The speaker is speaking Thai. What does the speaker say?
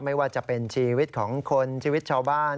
ไม่ว่าจะเป็นชีวิตของคนชีวิตชาวบ้าน